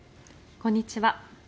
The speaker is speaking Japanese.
こんにちは。